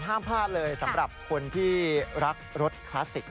ห้ามพลาดเลยสำหรับคนที่รักรถคลาสสิก